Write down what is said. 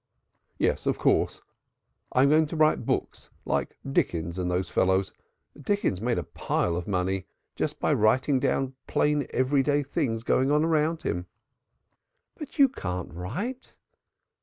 "Yes, of course. I'm going to write books like Dickens and those fellows. Dickens made a pile of money, just by writing down plain every day things going on around." "But you can't write!"